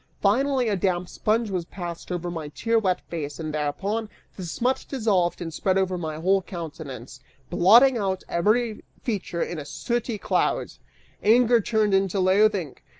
Finally, a damp sponge was passed over my tear wet face, and thereupon, the smut dissolved and spread over my whole countenance, blotting out every feature in a sooty cloud. Anger turned into loathing.